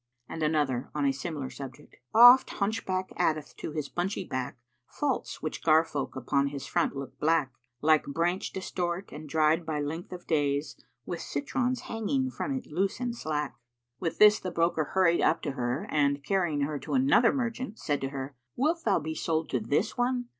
And another on a similar subject, 'Oft hunchback addeth to his bunchy back * Faults which gar folk upon his front look black: Like branch distort and dried by length of days * With citrons hanging from it loose and slack.'" With this the broker hurried up to her and, carrying her to another merchant, said to her, "Wilt thou be sold to this one?"